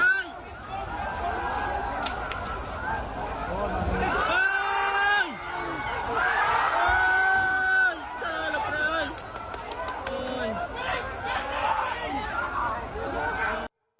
โอ๊ยช่วยให้ละครับ